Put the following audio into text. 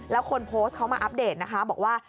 แล้วคนโพสต์เขามาอัปเดตนะคะบอกว่า